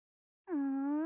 うん？